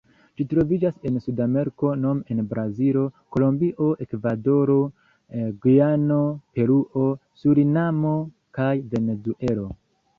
Ĝi troviĝas en Sudameriko nome en Brazilo, Kolombio, Ekvadoro, Gujano, Peruo, Surinamo kaj Venezuelo.